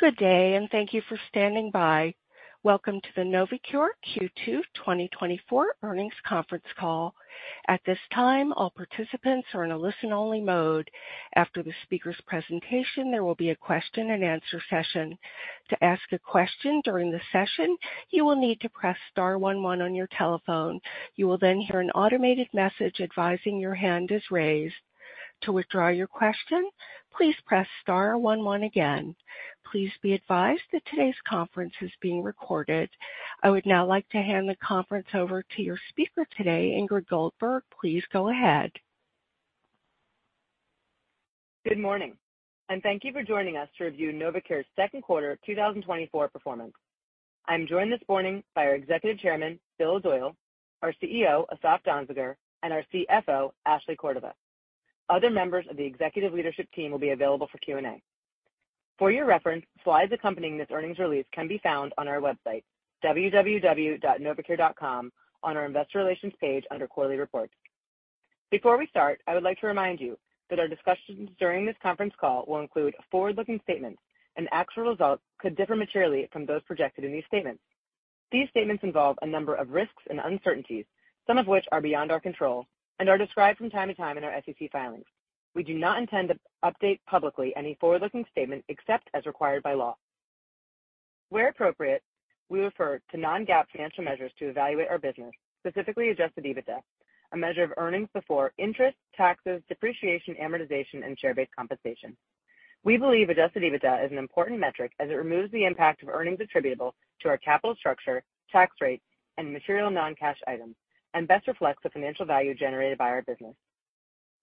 Good day and thank you for standing by. Welcome to the Novocure Q2 2024 Earnings Conference Call. At this time, all participants are in a listen-only mode. After the speaker's presentation, there will be a question-and-answer session. To ask a question during the session, you will need to press star one one on your telephone. You will then hear an automated message advising your hand is raised. To withdraw your question, please press star one one again. Please be advised that today's conference is being recorded. I would now like to hand the conference over to your speaker today, Ingrid Goldberg. Please go ahead. Good morning, and thank you for joining us to review Novocure's second quarter 2024 performance. I'm joined this morning by our Executive Chairman, Bill Doyle, our CEO, Asaf Danziger, and our CFO, Ashley Cordova. Other members of the executive leadership team will be available for Q&A. For your reference, slides accompanying this earnings release can be found on our website, www.novocure.com, on our Investor Relations page under Quarterly Reports. Before we start, I would like to remind you that our discussions during this conference call will include forward-looking statements, and actual results could differ materially from those projected in these statements. These statements involve a number of risks and uncertainties, some of which are beyond our control and are described from time to time in our SEC filings. We do not intend to update publicly any forward-looking statement except as required by law. Where appropriate, we refer to non-GAAP financial measures to evaluate our business, specifically adjusted EBITDA, a measure of earnings before interest, taxes, depreciation, amortization, and share-based compensation. We believe adjusted EBITDA is an important metric as it removes the impact of earnings attributable to our capital structure, tax rate, and material non-cash items, and best reflects the financial value generated by our business.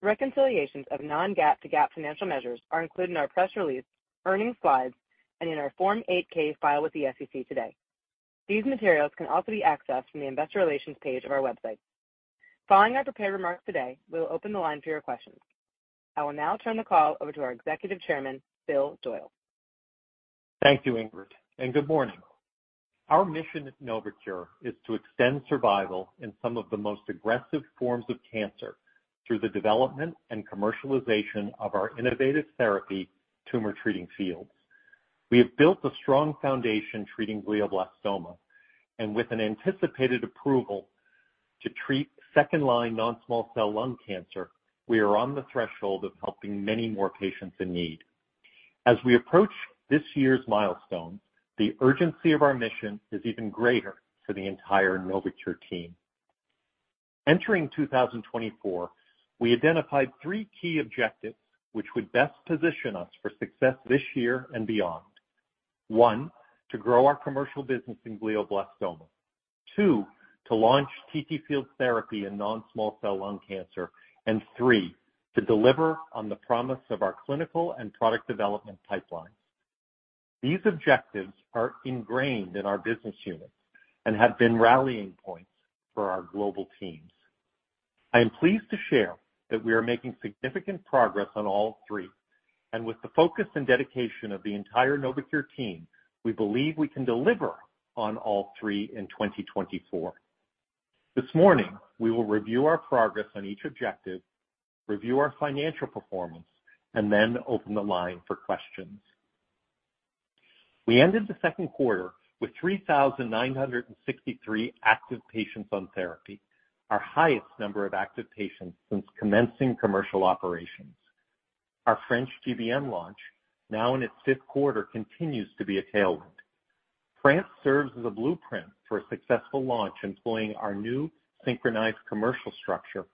Reconciliations of non-GAAP to GAAP financial measures are included in our press release, earnings slides, and in our Form 8-K filed with the SEC today. These materials can also be accessed from the Investor Relations page of our website. Following our prepared remarks today, we will open the line for your questions. I will now turn the call over to our Executive Chairman, Bill Doyle. Thank you, Ingrid, and good morning. Our mission at Novocure is to extend survival in some of the most aggressive forms of cancer through the development and commercialization of our innovative therapy, Tumor Treating Fields. We have built a strong foundation treating glioblastoma, and with an anticipated approval to treat second-line non-small cell lung cancer, we are on the threshold of helping many more patients in need. As we approach this year's milestone, the urgency of our mission is even greater for the entire Novocure team. Entering 2024, we identified three key objectives which would best position us for success this year and beyond. One, to grow our commercial business in glioblastoma. Two, to launch TTFields therapy in non-small cell lung cancer. And three, to deliver on the promise of our clinical and product development pipeline. These objectives are ingrained in our business units and have been rallying points for our global teams. I am pleased to share that we are making significant progress on all three, and with the focus and dedication of the entire Novocure team, we believe we can deliver on all three in 2024. This morning, we will review our progress on each objective, review our financial performance, and then open the line for questions. We ended the second quarter with 3,963 active patients on therapy, our highest number of active patients since commencing commercial operations. Our French GBM launch, now in its fifth quarter, continues to be a tailwind. France serves as a blueprint for a successful launch employing our new synchronized commercial structure,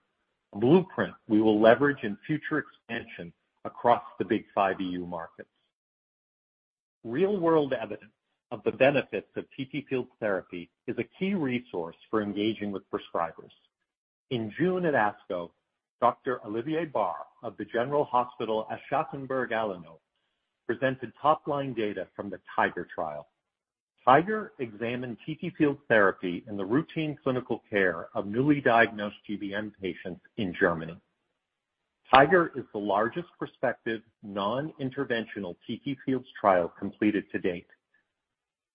a blueprint we will leverage in future expansion across the big five EU markets. Real-world evidence of the benefits of TTFields therapy is a key resource for engaging with prescribers. In June at ASCO, Dr. Oliver Bähr of the Klinikum Aschaffenburg-Alzenau presented top-line data from the TIGER trial. TIGER examined TTFields therapy in the routine clinical care of newly diagnosed GBM patients in Germany. TIGER is the largest prospective, non-interventional TTFields trial completed to date.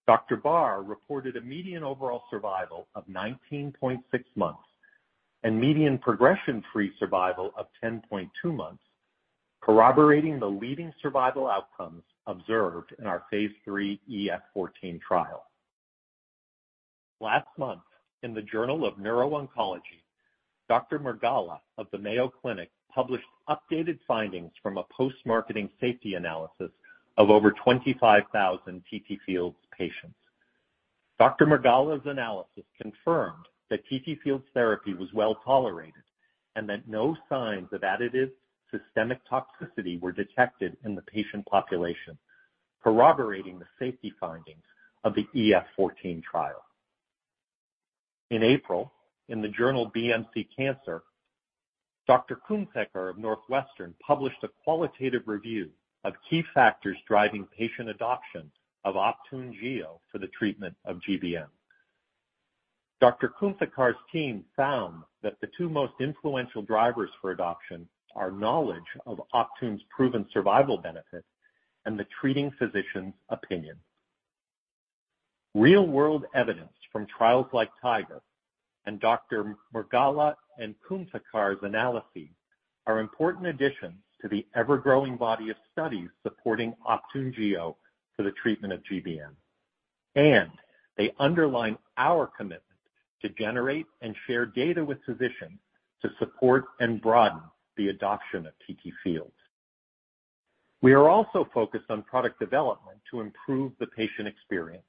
Dr. Bähr reported a median overall survival of 19.6 months and median progression-free survival of 10.2 months, corroborating the leading survival outcomes observed in our Phase 3 EF-14 trial. Last month, in the Journal of Neuro-Oncology, Dr. Mrugala of the Mayo Clinic published updated findings from a post-marketing safety analysis of over 25,000 TTFields patients. Dr. Mrugala's analysis confirmed that TTFields therapy was well tolerated and that no signs of additive systemic toxicity were detected in the patient population, corroborating the safety findings of the EF-14 trial. In April, in the journal BMC Cancer, Dr. Kumthekar of Northwestern published a qualitative review of key factors driving patient adoption of Optune Gio for the treatment of GBM. Dr. Kumthekar's team found that the two most influential drivers for adoption are knowledge of Optune's proven survival benefits and the treating physician's opinion.... Real-world evidence from trials like TIGER and Dr. Mrugala and Kumthekar's analyses are important additions to the ever-growing body of studies supporting Optune Gio for the treatment of GBM, and they underline our commitment to generate and share data with physicians to support and broaden the adoption of TTFields. We are also focused on product development to improve the patient experience.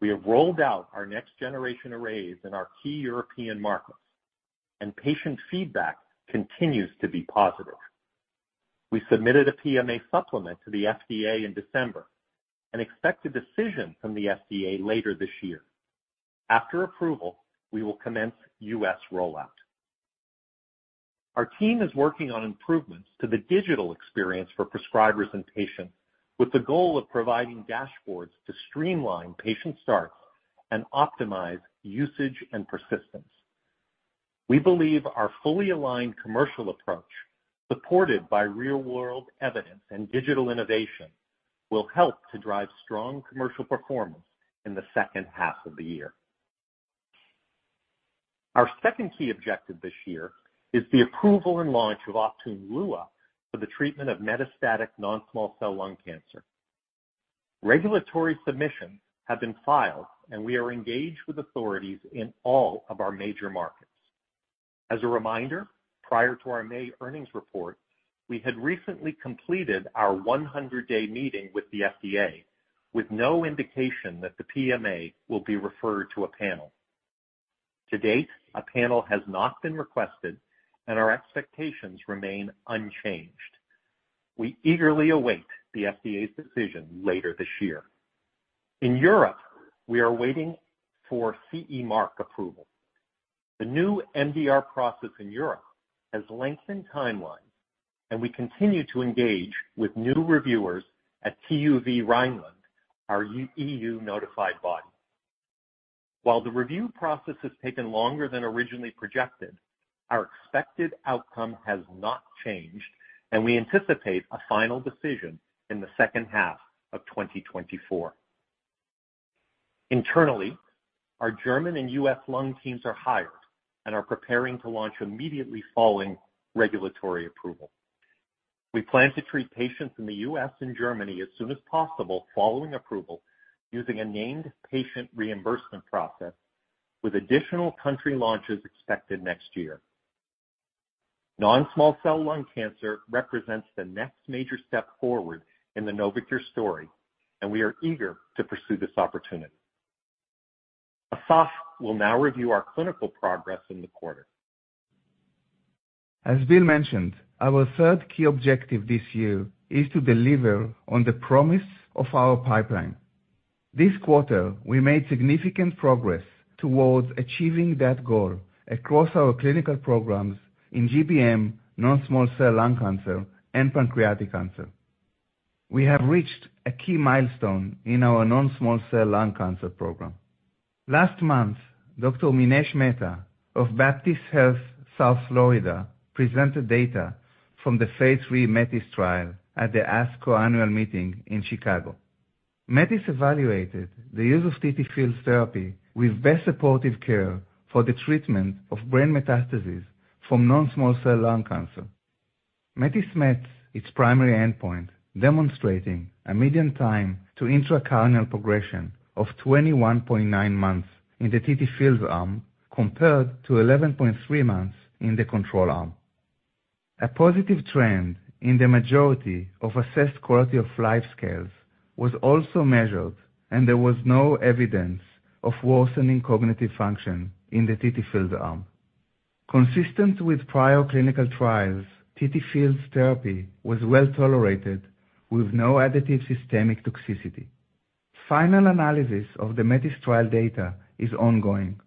We have rolled out our next generation arrays in our key European markets, and patient feedback continues to be positive. We submitted a PMA supplement to the FDA in December and expect a decision from the FDA later this year. After approval, we will commence U.S. rollout. Our team is working on improvements to the digital experience for prescribers and patients, with the goal of providing dashboards to streamline patient starts and optimize usage and persistence. We believe our fully aligned commercial approach, supported by real-world evidence and digital innovation, will help to drive strong commercial performance in the second half of the year. Our second key objective this year is the approval and launch of Optune Lua for the treatment of metastatic non-small cell lung cancer. Regulatory submissions have been filed, and we are engaged with authorities in all of our major markets. As a reminder, prior to our May earnings report, we had recently completed our 100-day meeting with the FDA, with no indication that the PMA will be referred to a panel. To date, a panel has not been requested, and our expectations remain unchanged. We eagerly await the FDA's decision later this year. In Europe, we are waiting for CE mark approval. The new MDR process in Europe has lengthened timelines, and we continue to engage with new reviewers at TÜV Rheinland, our EU notified body. While the review process has taken longer than originally projected, our expected outcome has not changed, and we anticipate a final decision in the second half of 2024. Internally, our German and U.S. lung teams are hired and are preparing to launch immediately following regulatory approval. We plan to treat patients in the U.S. and Germany as soon as possible following approval, using a named patient reimbursement process with additional country launches expected next year. Non-small cell lung cancer represents the next major step forward in the Novocure story, and we are eager to pursue this opportunity. Asaf will now review our clinical progress in the quarter. As Bill mentioned, our third key objective this year is to deliver on the promise of our pipeline. This quarter, we made significant progress towards achieving that goal across our clinical programs in GBM, non-small cell lung cancer, and pancreatic cancer. We have reached a key milestone in our non-small cell lung cancer program. Last month, Dr. Minesh Mehta of Baptist Health South Florida presented data from the Phase 3 METIS trial at the ASCO annual meeting in Chicago. METIS evaluated the use of TTFields therapy with best supportive care for the treatment of brain metastases from non-small cell lung cancer. METIS met its primary endpoint, demonstrating a median time to intracranial progression of 21.9 months in the TTFields arm, compared to 11.3 months in the control arm. A positive trend in the majority of assessed quality of life scales was also measured, and there was no evidence of worsening cognitive function in the TTFields arm. Consistent with prior clinical trials, TTFields therapy was well tolerated with no additive systemic toxicity. Final analysis of the METIS trial data is ongoing.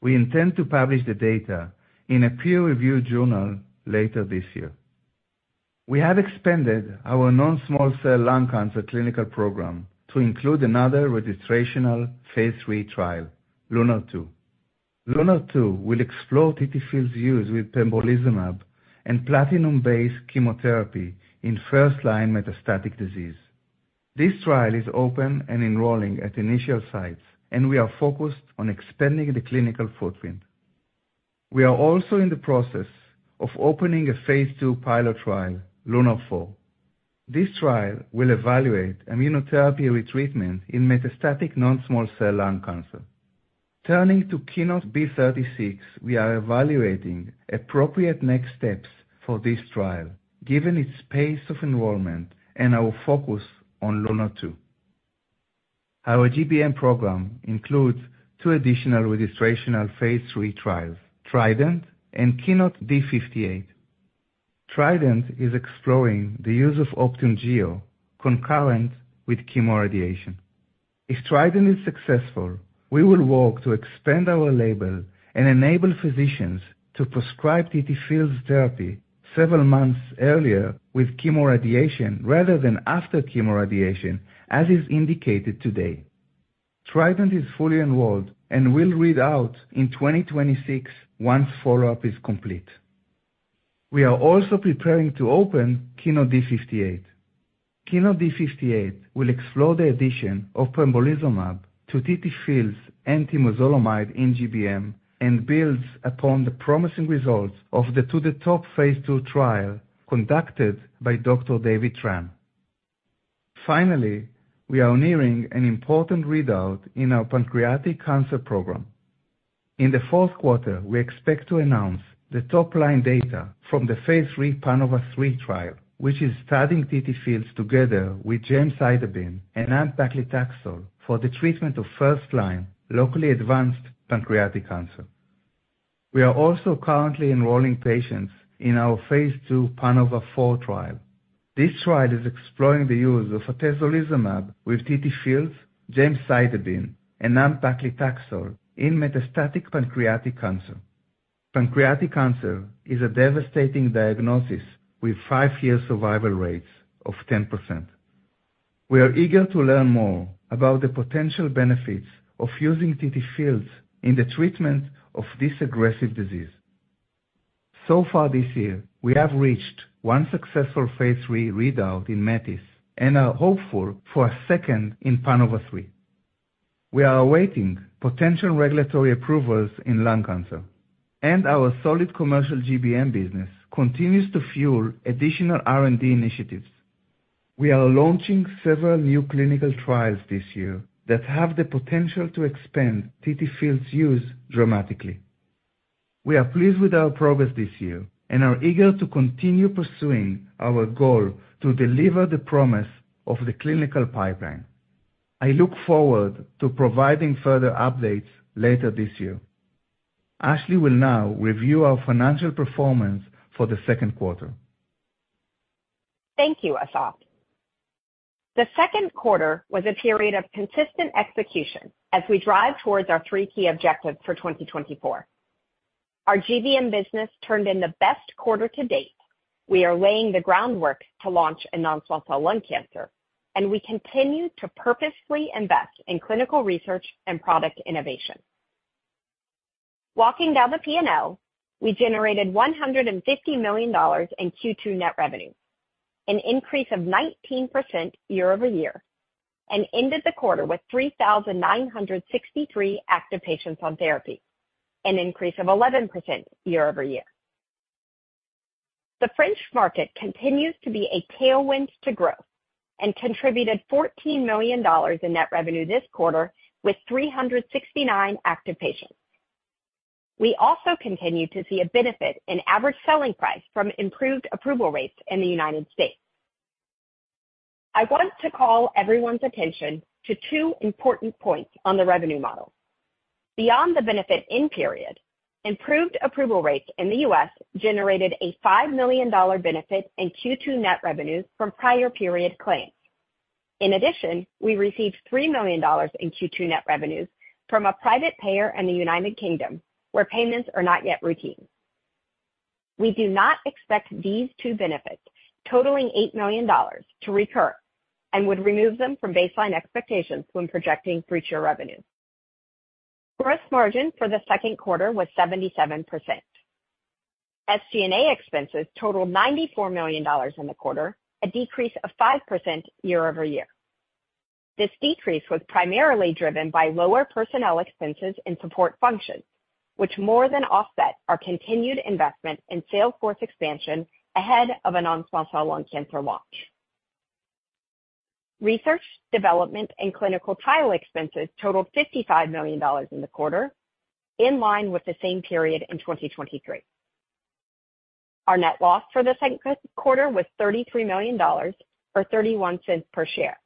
We intend to publish the data in a peer-reviewed journal later this year. We have expanded our non-small cell lung cancer clinical program to include another registrational Phase 3 trial, LUNAR-2. LUNAR-2 will explore TTFields' use with pembrolizumab and platinum-based chemotherapy in first-line metastatic disease. This trial is open and enrolling at initial sites, and we are focused on expanding the clinical footprint. We are also in the process of opening a Phase 2 pilot trial, LUNAR-4. This trial will evaluate immunotherapy retreatment in metastatic non-small cell lung cancer. Turning to KEYNOTE-B36, we are evaluating appropriate next steps for this trial, given its pace of enrollment and our focus on LUNAR-2. Our GBM program includes two additional registrational Phase 3 trials, TRIDENT and KEYNOTE-D58. TRIDENT is exploring the use of Optune Gio concurrent with chemoradiation. If TRIDENT is successful, we will work to expand our label and enable physicians to prescribe TTFields therapy several months earlier with chemoradiation rather than after chemoradiation, as is indicated today. TRIDENT is fully enrolled and will read out in 2026 once follow-up is complete. We are also preparing to open KEYNOTE-D58. KEYNOTE-D58 will explore the addition of pembrolizumab to TTFields and temozolomide in GBM, and builds upon the promising results of the 2-THE-TOP Phase 2 trial conducted by Dr. David Tran. Finally, we are nearing an important readout in our pancreatic cancer program. In the fourth quarter, we expect to announce the top-line data from the Phase 3 PANOVA-3 trial, which is studying TTFields together with gemcitabine and nab-paclitaxel for the treatment of first-line locally advanced pancreatic cancer. We are also currently enrolling patients in our Phase 2 PANOVA-4 trial. This trial is exploring the use of atezolizumab with TTFields, gemcitabine, and nab-paclitaxel in metastatic pancreatic cancer. Pancreatic cancer is a devastating diagnosis, with five-year survival rates of 10%. We are eager to learn more about the potential benefits of using TTFields in the treatment of this aggressive disease. So far this year, we have reached one successful Phase 3 readout in METIS and are hopeful for a second in PANOVA-3. We are awaiting potential regulatory approvals in lung cancer, and our solid commercial GBM business continues to fuel additional R&D initiatives. We are launching several new clinical trials this year that have the potential to expand TTFields' use dramatically. We are pleased with our progress this year and are eager to continue pursuing our goal to deliver the promise of the clinical pipeline. I look forward to providing further updates later this year. Ashley will now review our financial performance for the second quarter. Thank you, Asaf. The second quarter was a period of consistent execution as we drive towards our three key objectives for 2024. Our GBM business turned in the best quarter to date. We are laying the groundwork to launch a non-small cell lung cancer, and we continue to purposefully invest in clinical research and product innovation. Walking down the P&L, we generated $150 million in Q2 net revenue, an increase of 19% year-over-year, and ended the quarter with 3,963 active patients on therapy, an increase of 11% year-over-year. The French market continues to be a tailwind to growth and contributed $14 million in net revenue this quarter, with 369 active patients. We also continued to see a benefit in average selling price from improved approval rates in the United States. I want to call everyone's attention to two important points on the revenue model. Beyond the benefit in period, improved approval rates in the U.S. generated a $5 million benefit in Q2 net revenues from prior period claims. In addition, we received $3 million in Q2 net revenues from a private payer in the United Kingdom, where payments are not yet routine. We do not expect these two benefits, totaling $8 million, to recur and would remove them from baseline expectations when projecting future revenue. Gross margin for the second quarter was 77%. SG&A expenses totaled $94 million in the quarter, a decrease of 5% year-over-year. This decrease was primarily driven by lower personnel expenses and support functions, which more than offset our continued investment in sales force expansion ahead of a non-small cell lung cancer launch. Research, development, and clinical trial expenses totaled $55 million in the quarter, in line with the same period in 2023. Our net loss for the second quarter was $33 million, or $0.31 per share.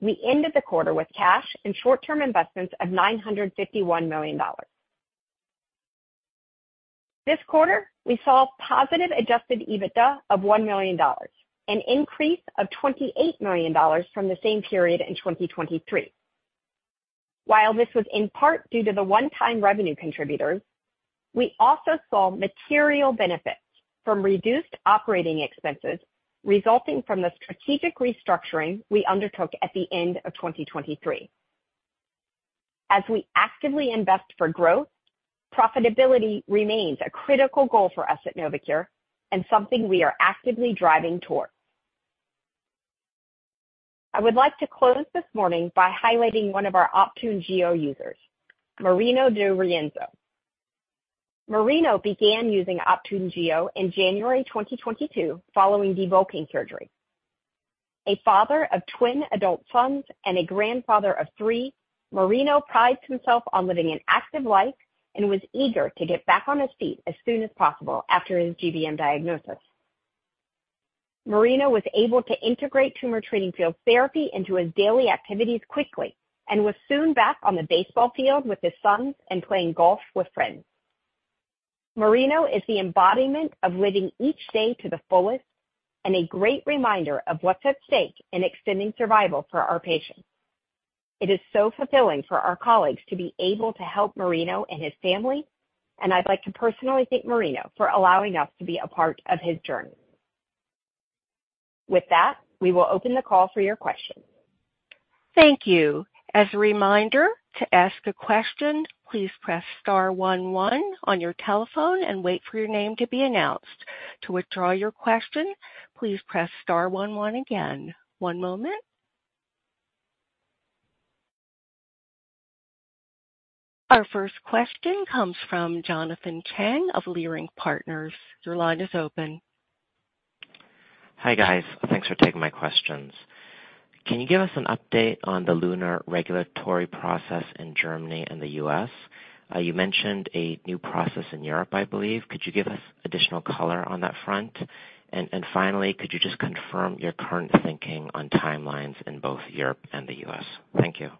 We ended the quarter with cash and short-term investments of $951 million. This quarter, we saw positive adjusted EBITDA of $1 million, an increase of $28 million from the same period in 2023. While this was in part due to the one-time revenue contributors, we also saw material benefits from reduced operating expenses resulting from the strategic restructuring we undertook at the end of 2023. As we actively invest for growth, profitability remains a critical goal for us at Novocure and something we are actively driving towards. I would like to close this morning by highlighting one of our Optune Gio users, Marino De Rienzo. Marino began using Optune Gio in January 2022 following debulking surgery. A father of twin adult sons and a grandfather of three, Marino prides himself on living an active life and was eager to get back on his feet as soon as possible after his GBM diagnosis. Marino was able to integrate tumor treating fields therapy into his daily activities quickly and was soon back on the baseball field with his sons and playing golf with friends. Marino is the embodiment of living each day to the fullest and a great reminder of what's at stake in extending survival for our patients. It is so fulfilling for our colleagues to be able to help Marino and his family, and I'd like to personally thank Marino for allowing us to be a part of his journey. With that, we will open the call for your questions. Thank you. As a reminder, to ask a question, please press star one one on your telephone and wait for your name to be announced. To withdraw your question, please press star one one again. One moment. Our first question comes from Jonathan Chang of Leerink Partners. Your line is open. Hi, guys. Thanks for taking my questions. Can you give us an update on the LUNAR regulatory process in Germany and the U.S.? You mentioned a new process in Europe, I believe. Could you give us additional color on that front? And finally, could you just confirm your current thinking on timelines in both Europe and the U.S.? Thank you.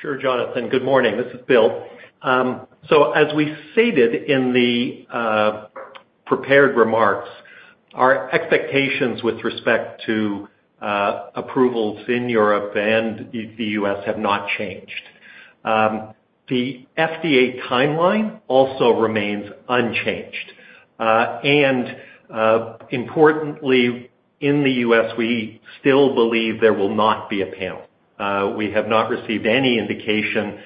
Sure, Jonathan. Good morning. This is Bill. So as we stated in the prepared remarks, our expectations with respect to approvals in Europe and the U.S. have not changed. The FDA timeline also remains unchanged, and importantly, in the U.S., we still believe there will not be a panel. We have not received any indication,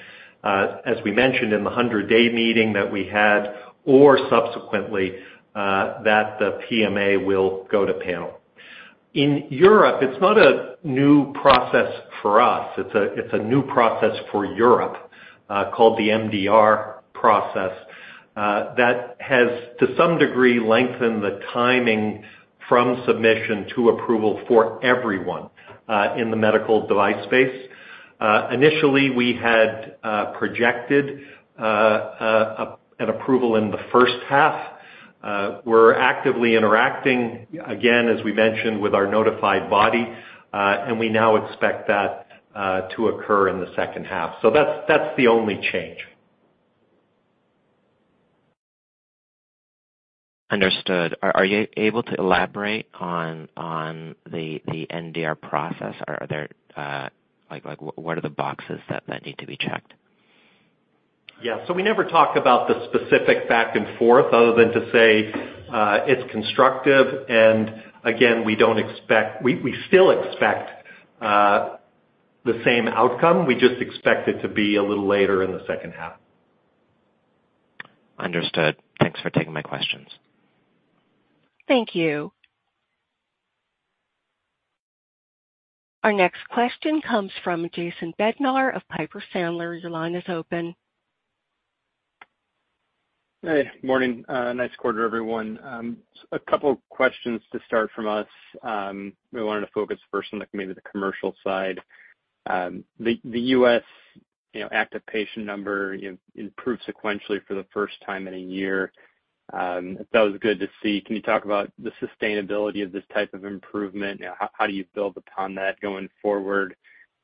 as we mentioned in the 100-day meeting that we had or subsequently, that the PMA will go to panel. In Europe, it's not a new process for us. It's a new process for Europe, called the MDR process, that has, to some degree, lengthened the timing from submission to approval for everyone in the medical device space. Initially, we had projected an approval in the first half. We're actively interacting, again, as we mentioned, with our notified body, and we now expect that to occur in the second half. So that's, that's the only change. Understood. Are you able to elaborate on the MDR process? Are there like, what are the boxes that need to be checked? Yeah. So we never talk about the specific back and forth other than to say, it's constructive, and again, we don't expect—we, we still expect, the same outcome. We just expect it to be a little later in the second half. Understood. Thanks for taking my questions. Thank you. Our next question comes from Jason Bednar of Piper Sandler. Your line is open. Hey, morning. Nice quarter, everyone. A couple of questions to start from us. We wanted to focus first on maybe the commercial side. The U.S., you know, active patient number, you know, improved sequentially for the first time in a year. That was good to see. Can you talk about the sustainability of this type of improvement? How do you build upon that going forward?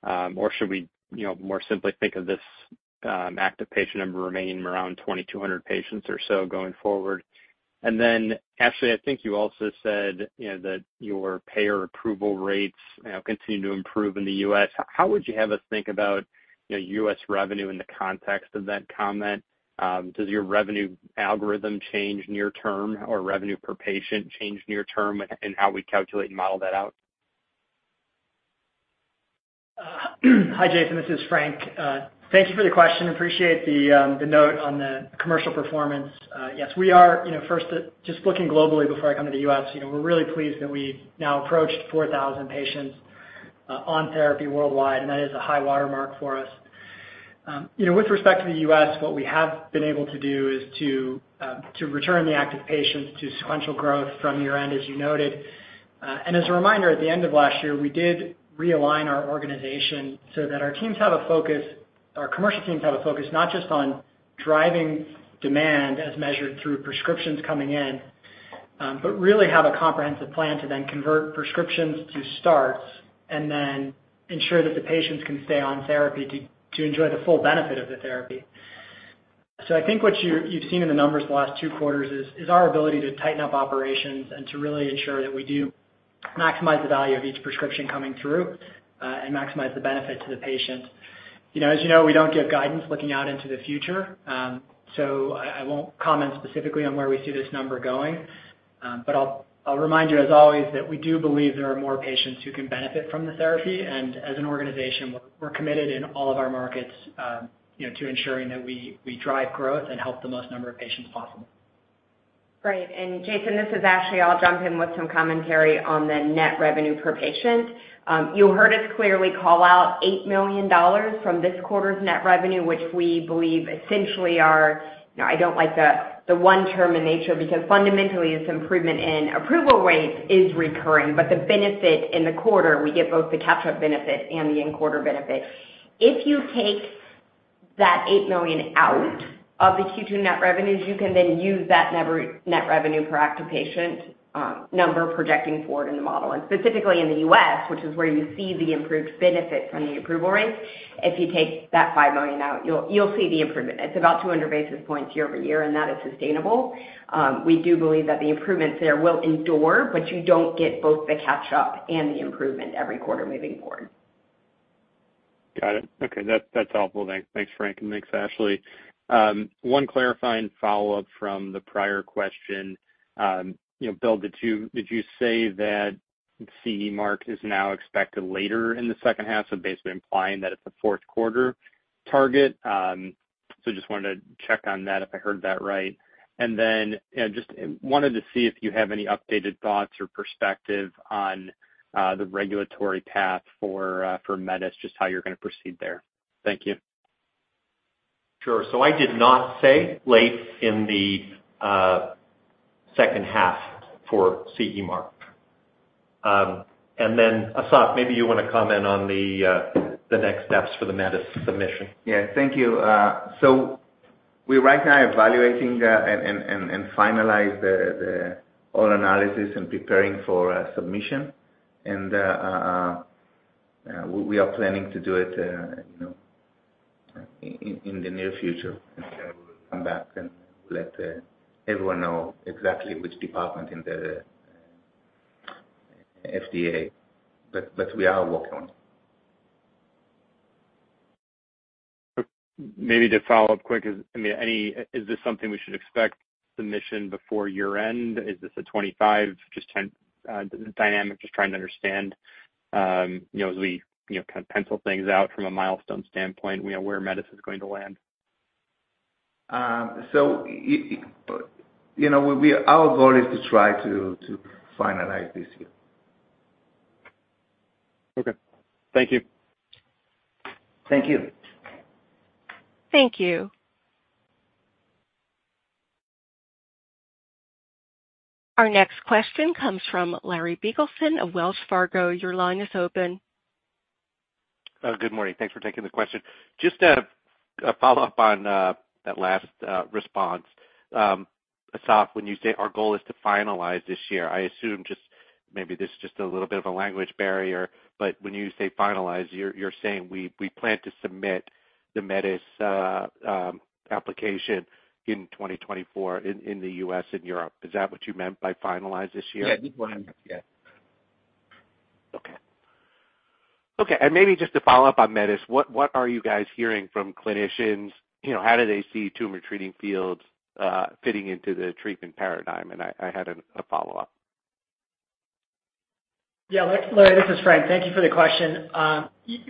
Or should we, you know, more simply think of this active patient number remaining around 2,200 patients or so going forward? And then, Ashley, I think you also said, you know, that your payer approval rates, you know, continue to improve in the U.S.. How would you have us think about, you know, U.S. revenue in the context of that comment? Does your revenue algorithm change near term or revenue per patient change near term in how we calculate and model that out? Hi, Jason, this is Frank. Thank you for the question. Appreciate the note on the commercial performance. Yes, we are, you know, first, just looking globally before I come to the U.S., you know, we're really pleased that we've now approached 4,000 patients on therapy worldwide, and that is a high watermark for us. You know, with respect to the U.S., what we have been able to do is to return the active patients to sequential growth from year-end, as you noted. And as a reminder, at the end of last year, we did realign our organization so that our teams have a focus, our commercial teams have a focus, not just on driving demand as measured through prescriptions coming in, but really have a comprehensive plan to then convert prescriptions to starts and then ensure that the patients can stay on therapy to enjoy the full benefit of the therapy. So I think what you've seen in the numbers the last two quarters is our ability to tighten up operations and to really ensure that we do maximize the value of each prescription coming through, and maximize the benefit to the patient. You know, as you know, we don't give guidance looking out into the future, so I won't comment specifically on where we see this number going, but I'll remind you, as always, that we do believe there are more patients who can benefit from the therapy, and as an organization, we're committed in all of our markets, you know, to ensuring that we drive growth and help the most number of patients possible. Great. And Jason, this is Ashley. I'll jump in with some commentary on the net revenue per patient. You heard us clearly call out $8 million from this quarter's net revenue, which we believe essentially are. You know, I don't like the one-time in nature, because fundamentally, this improvement in approval rates is recurring, but the benefit in the quarter, we get both the catch-up benefit and the in-quarter benefit. If you take that $8 million out of the Q2 net revenues, you can then use that net revenue per active patient number projecting forward in the model, and specifically in the U.S., which is where you see the improved benefit from the approval rates. If you take that $5 million out, you'll see the improvement. It's about 200 basis points year-over-year, and that is sustainable. We do believe that the improvements there will endure, but you don't get both the catch up and the improvement every quarter moving forward. Got it. Okay, that, that's helpful. Thank, thanks, Frank, and thanks, Ashley. One clarifying follow-up from the prior question. You know, Bill, did you, did you say that CE mark is now expected later in the second half of basically implying that it's a fourth quarter target? So just wanted to check on that, if I heard that right. And then, you know, just wanted to see if you have any updated thoughts or perspective on the regulatory path for METIS, just how you're gonna proceed there. Thank you. Sure. I did not say late in the second half for CE Mark. Then, Asaf, maybe you want to comment on the next steps for the METIS submission. Yeah, thank you. So we're right now evaluating and finalizing all the analysis and preparing for submission. We are planning to do it, you know, in the near future, and then we'll come back and let everyone know exactly which department in the FDA, but we are working on it. Maybe to follow up quick, I mean, is this something we should expect submission before year-end? Is this a 25, just 10, dynamic, just trying to understand, you know, as we, you know, kind of pencil things out from a milestone standpoint, you know, where METIS is going to land. So, you know, our goal is to try to finalize this year. Okay. Thank you. Thank you. Thank you. Our next question comes from Larry Biegelsen of Wells Fargo. Your line is open. Good morning. Thanks for taking the question. Just, a follow-up on, that last, response. Asaf, when you say, "Our goal is to finalize this year," I assume just maybe this is just a little bit of a language barrier, but when you say finalize, you're, you're saying, we, we plan to submit the METIS, application in 2024 in, in the U.S. and Europe. Is that what you meant by finalize this year? Yeah, this is what I meant. Yeah. Okay. Okay, and maybe just to follow up on METIS, what are you guys hearing from clinicians? You know, how do they see Tumor Treating Fields fitting into the treatment paradigm? And I had a follow-up. Yeah, Larry, this is Frank. Thank you for the question.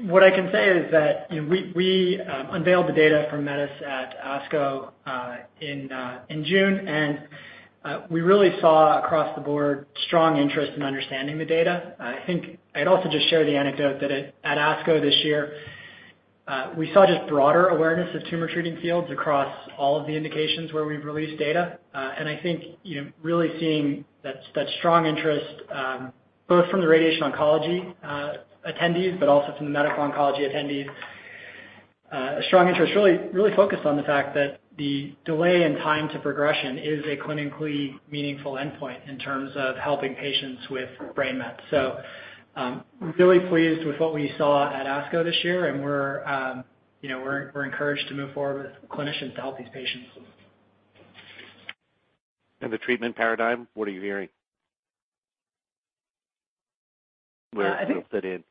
What I can say is that, you know, we, we, unveiled the data from METIS at ASCO, in June, and, we really saw across the board, strong interest in understanding the data. I think I'd also just share the anecdote that at ASCO this year, we saw just broader awareness of Tumor Treating Fields across all of the indications where we've released data. And I think, you know, really seeing that, that strong interest, both from the radiation oncology, attendees, but also from the medical oncology attendees, strong interest really, really focused on the fact that the delay in time to progression is a clinically meaningful endpoint in terms of helping patients with brain mets. Really pleased with what we saw at ASCO this year, and we're, you know, encouraged to move forward with clinicians to help these patients. The treatment paradigm, what are you hearing? Where it'll fit in.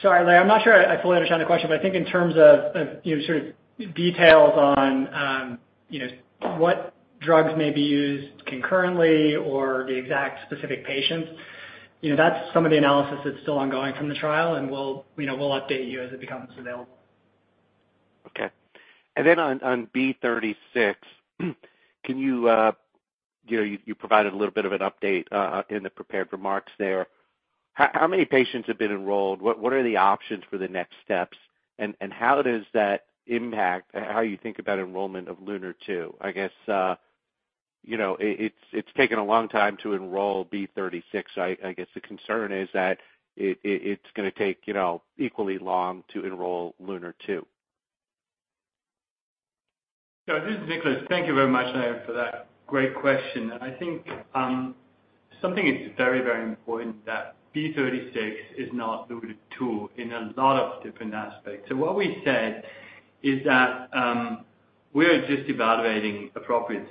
Sorry, Larry, I'm not sure I fully understand the question, but I think in terms of, you know, sort of details on, you know, what drugs may be used concurrently or the exact specific patients, you know, that's some of the analysis that's still ongoing from the trial, and we'll, you know, we'll update you as it becomes available. Okay. And then on B36, can you, you know, you provided a little bit of an update in the prepared remarks there. How many patients have been enrolled? What are the options for the next steps? And how does that impact how you think about enrollment of Lunar 2? I guess, you know, it's taken a long time to enroll B36. I guess the concern is that it's gonna take, you know, equally long to enroll Lunar 2. So this is Nicolas. Thank you very much, Larry, for that great question. I think, something is very, very important, that B36 is not LUNAR-2 in a lot of different aspects. So what we said is that, we are just evaluating appropriate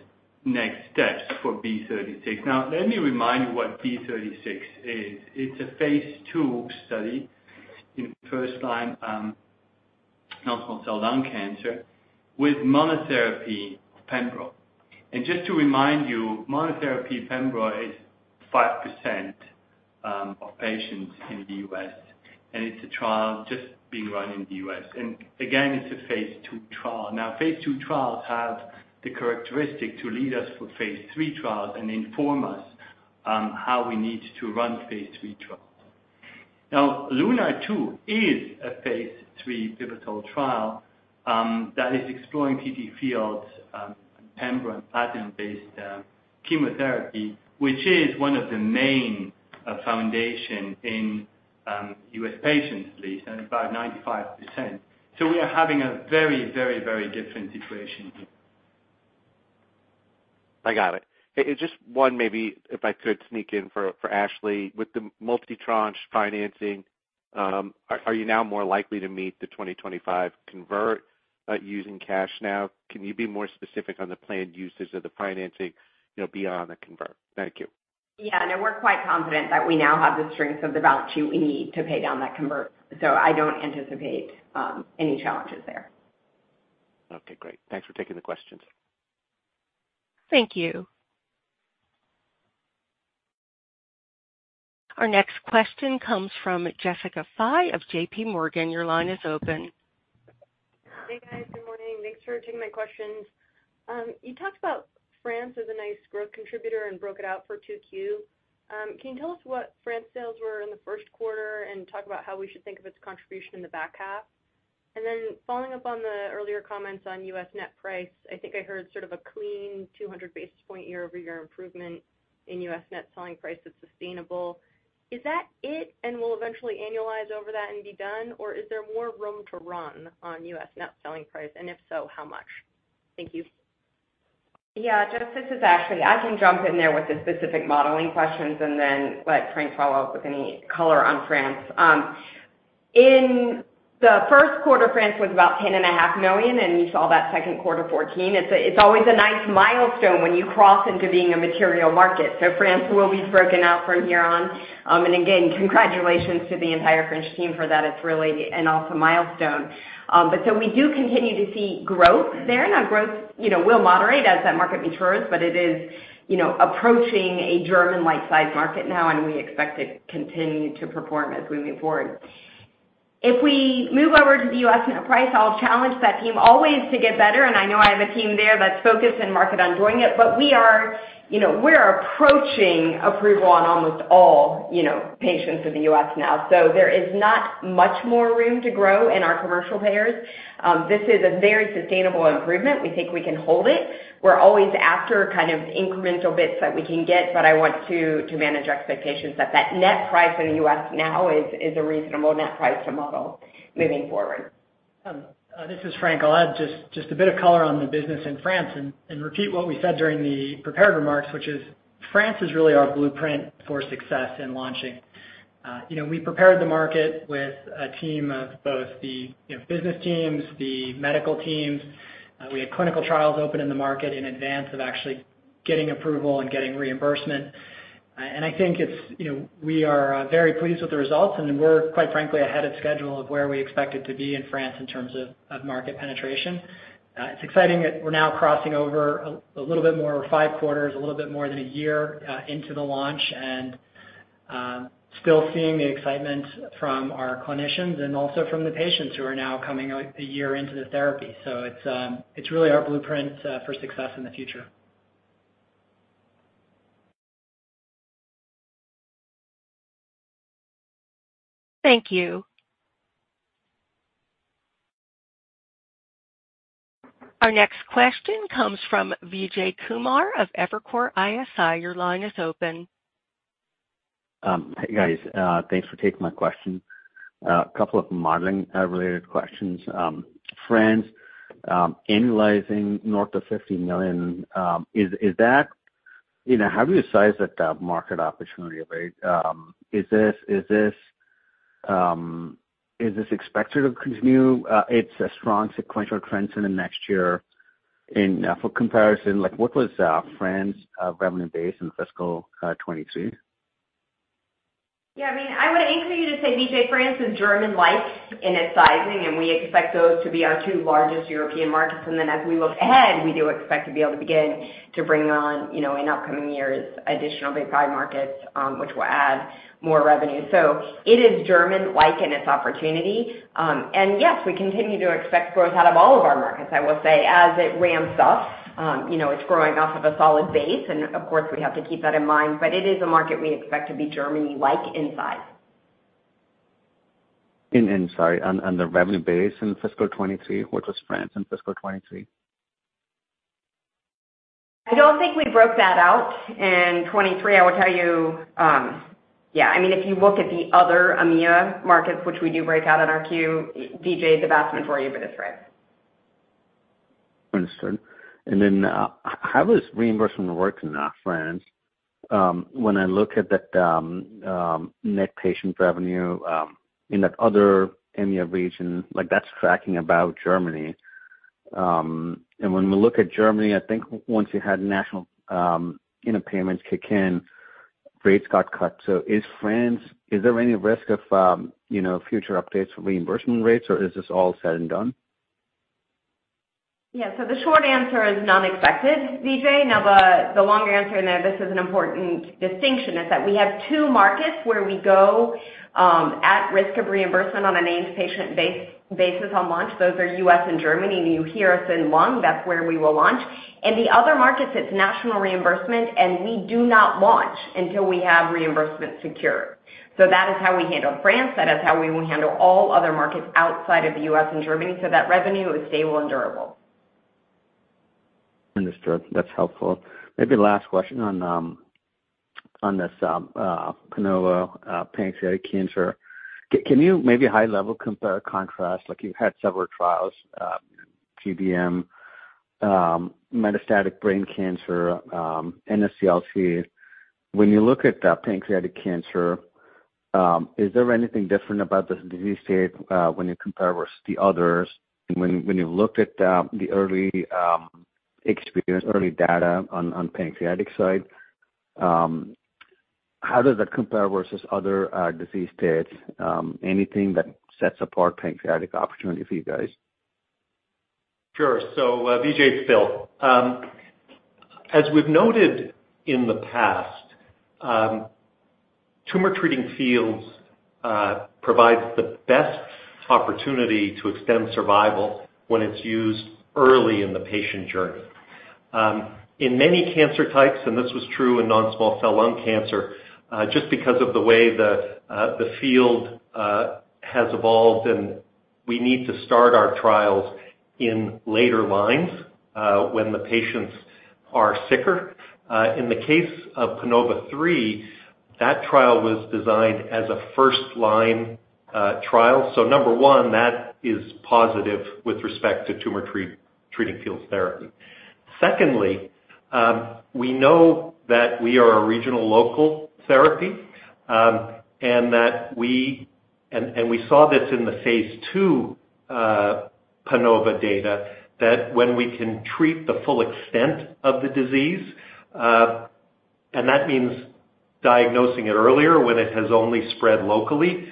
next steps for B36. Now, let me remind you what B36 is. It's a Phase II study in first-line non-small cell lung cancer with monotherapy of pembro. And just to remind you, monotherapy pembro is 5% of patients in the U.S., and it's a trial just being run in the U.S.. And again, it's a Phase II trial. Now, Phase II trials have the characteristic to lead us for Phase III trials and inform us, how we need to run Phase III trials. Now, LUNAR-2 is a Phase 3 pivotal trial that is exploring TTFields, pembro and platinum-based chemotherapy, which is one of the main foundation in U.S. patients at least, and about 95%. So we are having a very, very, very different situation here. I got it. And just one maybe, if I could sneak in for Ashley. With the multi-tranche financing, are you now more likely to meet the 2025 convert by using cash now? Can you be more specific on the planned uses of the financing, you know, beyond the convert? Thank you.... Yeah, no, we're quite confident that we now have the strength of the balance sheet we need to pay down that convert, so I don't anticipate any challenges there. Okay, great. Thanks for taking the questions. Thank you. Our next question comes from Jessica Fye of J.P. Morgan. Your line is open. Hey, guys, good morning. Thanks for taking my questions. You talked about France as a nice growth contributor and broke it out for 2Q. Can you tell us what France sales were in the first quarter, and talk about how we should think of its contribution in the back half? And then following up on the earlier comments on U.S. net price, I think I heard sort of a clean 200 basis point year-over-year improvement in U.S. net selling price is sustainable. Is that it, and we'll eventually annualize over that and be done, or is there more room to run on U.S. net selling price? And if so, how much? Thank you. Yeah, Jess, this is Ashley. I can jump in there with the specific modeling questions and then let Frank follow up with any color on France. In the first quarter, France was about $10.5 million, and you saw that second quarter $14 million. It's always a nice milestone when you cross into being a material market. So France will be broken out from here on. And again, congratulations to the entire French team for that. It's really an awesome milestone. But so we do continue to see growth there. Now, growth, you know, will moderate as that market matures, but it is, you know, approaching a German-like size market now, and we expect it to continue to perform as we move forward. If we move over to the U.S. net price, I'll challenge that team always to get better, and I know I have a team there that's focused and marketing on doing it. But we are, you know, we're approaching approval on almost all, you know, patients in the U.S. now. So there is not much more room to grow in our commercial payers. This is a very sustainable improvement. We think we can hold it. We're always after kind of incremental bits that we can get, but I want to manage expectations that net price in the U.S. now is a reasonable net price to model moving forward. This is Frank. I'll add just a bit of color on the business in France and repeat what we said during the prepared remarks, which is France is really our blueprint for success in launching. You know, we prepared the market with a team of both the you know, business teams, the medical teams. We had clinical trials open in the market in advance of actually getting approval and getting reimbursement. And I think it's you know, we are very pleased with the results, and we're quite frankly ahead of schedule of where we expected to be in France in terms of market penetration. It's exciting that we're now crossing over a little bit more than 5 quarters, a little bit more than a year into the launch, and still seeing the excitement from our clinicians and also from the patients who are now coming a year into the therapy. So it's really our blueprint for success in the future. Thank you. Our next question comes from Vijay Kumar of Evercore ISI. Your line is open. Hey, guys, thanks for taking my question. A couple of modeling related questions. France annualizing north of $50 million, is that... You know, how do you size that market opportunity, right? Is this expected to continue its strong sequential trends into next year? And for comparison, like, what was France revenue base in fiscal 2022? Yeah, I mean, I would encourage you to say, Vijay, France is German-like in its sizing, and we expect those to be our two largest European markets. And then as we look ahead, we do expect to be able to begin to bring on, you know, in upcoming years, additional big five markets, which will add more revenue. So it is German-like in its opportunity. And yes, we continue to expect growth out of all of our markets. I will say, as it ramps up, you know, it's growing off of a solid base, and of course, we have to keep that in mind, but it is a market we expect to be Germany-like in size. Sorry, on the revenue base in fiscal 2023, which was France in fiscal 2023? I don't think we broke that out in 2023. I would tell you, yeah, I mean, if you look at the other EMEA markets, which we do break out on our Q, Vijay, the best we can for you, but it's right. Understood. And then, how does reimbursement work in France? When I look at that net patient revenue in that other EMEA region, like, that's tracking about Germany. And when we look at Germany, I think once you had national, you know, payments kick in, rates got cut. So, is France— Is there any risk of, you know, future updates for reimbursement rates, or is this all said and done? Yeah, so the short answer is none expected, Vijay. Now, the longer answer, and this is an important distinction, is that we have two markets where we go at risk of reimbursement on a named patient basis on launch. Those are U.S. and Germany, and you hear us in lung, that's where we will launch. In the other markets, it's national reimbursement, and we do not launch until we have reimbursement secure. So that is how we handle France, that is how we will handle all other markets outside of the U.S. and Germany, so that revenue is stable and durable. Understood. That's helpful. Maybe last question on this PANOVA, pancreatic cancer. Can you maybe high level compare-contrast, like you've had several trials, GBM, metastatic brain cancer, NSCLC. When you look at the pancreatic cancer... Is there anything different about this disease state, when you compare versus the others? And when you looked at the early experience, early data on pancreatic side, how does that compare versus other disease states? Anything that sets apart pancreatic opportunity for you guys? Sure. So, Vijay, it's Bill. As we've noted in the past, Tumor Treating Fields provides the best opportunity to extend survival when it's used early in the patient journey. In many cancer types, and this was true in non-small cell lung cancer, just because of the way the field has evolved, and we need to start our trials in later lines, when the patients are sicker. In the case of PANOVA-3, that trial was designed as a first-line trial. So number one, that is positive with respect to Tumor Treating Fields therapy. Secondly, we know that we are a regional local therapy, and that we saw this in the Phase 2 PANOVA data, that when we can treat the full extent of the disease, and that means diagnosing it earlier, when it has only spread locally,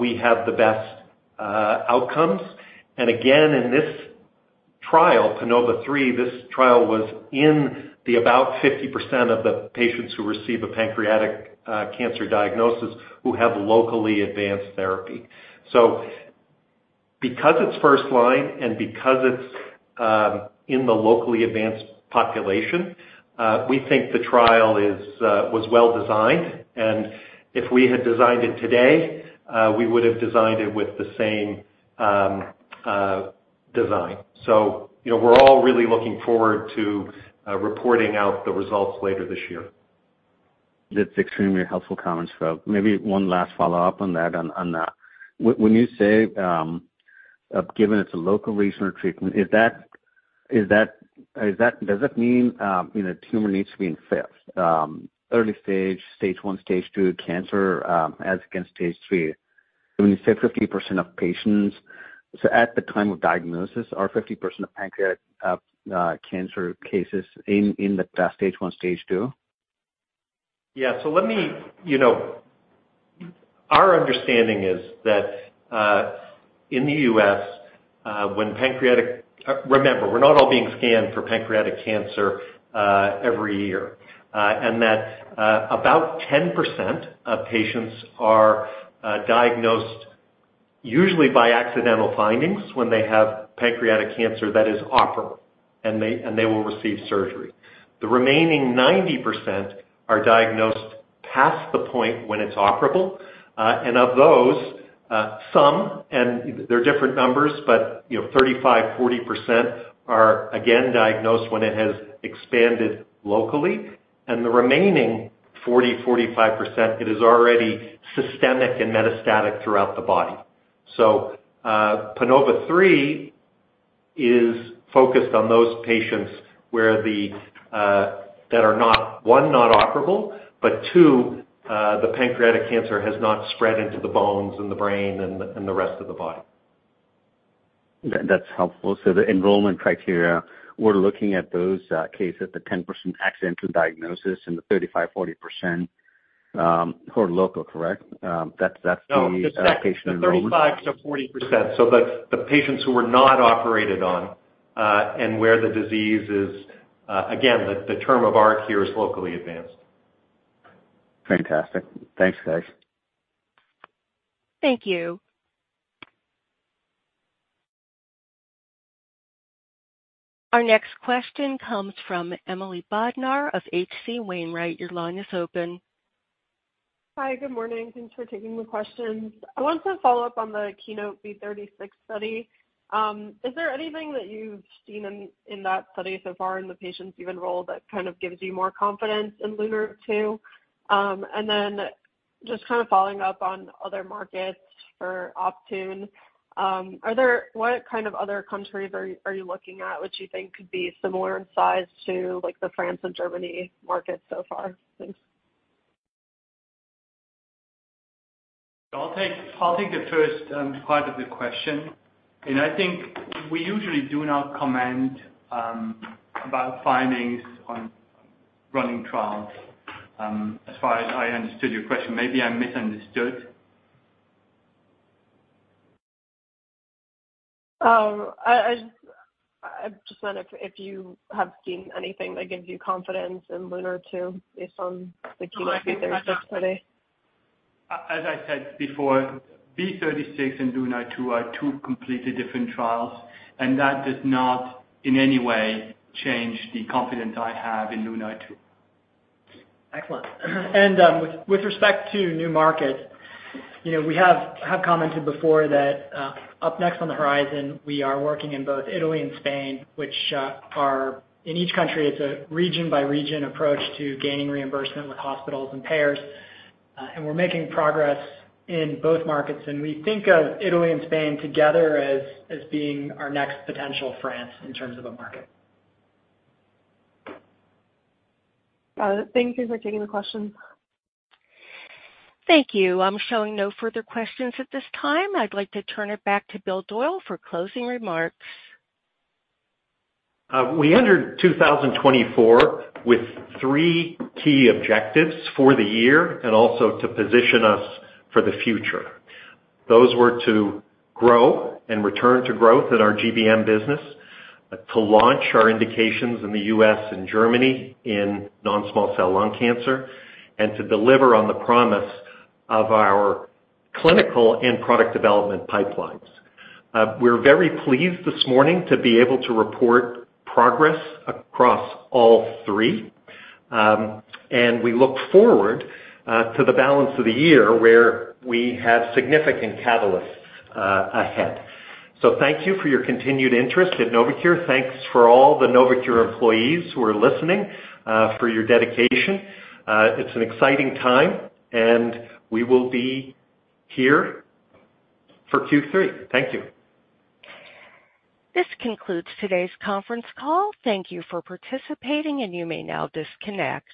we have the best outcomes. And again, in this trial, PANOVA-3, this trial was in about 50% of the patients who receive a pancreatic cancer diagnosis, who have locally advanced therapy. So because it's first line and because it's in the locally advanced population, we think the trial was well designed, and if we had designed it today, we would have designed it with the same design. So, you know, we're all really looking forward to reporting out the results later this year. That's extremely helpful comments. So maybe one last follow-up on that. When you say, given it's a local regional treatment, is that—does that mean, you know, tumor needs to be in the early stage, stage one, stage two cancer, as against stage three? When you say 50% of patients, so at the time of diagnosis, are 50% of pancreatic cancer cases in the stage one, stage two? Yeah. So let me. You know, our understanding is that, in the U.S., when pancreatic—remember, we're not all being scanned for pancreatic cancer every year. And that, about 10% of patients are diagnosed usually by accidental findings when they have pancreatic cancer that is operable, and they will receive surgery. The remaining 90% are diagnosed past the point when it's operable, and of those, some and they're different numbers, but, you know, 35%-40% are again diagnosed when it has expanded locally, and the remaining 40%-45%, it is already systemic and metastatic throughout the body. PANOVA-3 is focused on those patients where the that are not, one, not operable, but two, the pancreatic cancer has not spread into the bones and the brain and the rest of the body. That's helpful. So, the enrollment criteria, we're looking at those cases, the 10% accidental diagnosis and the 35%-40% who are local, correct? That's, that's the patient- No, the 35%-40%. So, the patients who were not operated on, and where the disease is, again, the term of art here is locally advanced. Fantastic. Thanks, guys. Thank you. Our next question comes from Emily Bodnar of H.C. Wainwright. Your line is open. Hi. Good morning. Thanks for taking the questions. I wanted to follow up on the KEYNOTE-B36 study. Is there anything that you've seen in that study so far in the patients you've enrolled that kind of gives you more confidence in LUNAR-2? And then just kind of following up on other markets for Optune, are there—what kind of other countries are you looking at which you think could be similar in size to, like, the France and Germany markets so far? Thanks. I'll take the first part of the question. I think we usually do not comment about findings on running trials. As far as I understood your question, maybe I misunderstood. I just wondered if you have seen anything that gives you confidence in LUNAR-2 based on the KEYNOTE-B36 study? As I said before, B36 and LUNAR-2 are two completely different trials, and that does not in any way change the confidence I have in LUNAR-2. Excellent. With respect to new markets, you know, we have commented before that up next on the horizon, we are working in both Italy and Spain, which are. In each country, it's a region-by-region approach to gaining reimbursement with hospitals and payers, and we're making progress in both markets. We think of Italy and Spain together as being our next potential France in terms of a market. Thank you for taking the question. Thank you. I'm showing no further questions at this time. I'd like to turn it back to Bill Doyle for closing remarks. We entered 2024 with three key objectives for the year and also to position us for the future. Those were to grow and return to growth in our GBM business, to launch our indications in the U.S. and Germany in non-small cell lung cancer, and to deliver on the promise of our clinical and product development pipelines. We're very pleased this morning to be able to report progress across all three. We look forward to the balance of the year, where we have significant catalysts ahead. Thank you for your continued interest at Novocure. Thanks for all the Novocure employees who are listening for your dedication. It's an exciting time, and we will be here for Q3. Thank you. This concludes today's conference call. Thank you for participating, and you may now disconnect.